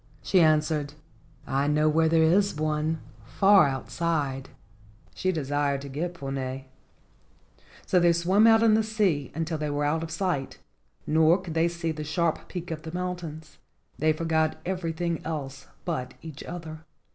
She answered, "I know where there is one, far outside." She desired to get Puna. So they swam way out in the sea until they were out of sight nor could they see the sharp peaks of the mountains. They forgot everything else but each other.